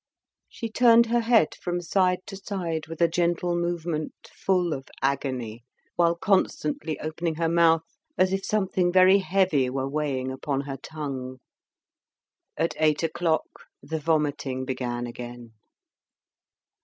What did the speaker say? She turned her head from side to side with a gentle movement full of agony, while constantly opening her mouth as if something very heavy were weighing upon her tongue. At eight o'clock the vomiting began again.